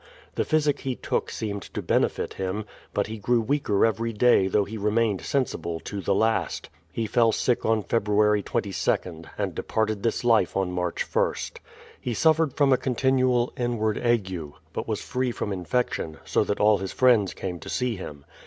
The physic he took seemed to benefit him, but he grew weaker every day, though he remained sensible to the last. He fell sick on Feb. 22nd, and departed this life on March 1st. He suffered from a continual inward ague, but was free from X69 170 BRADFORD'S HISTORY OF infection, so that all his friends came to see him.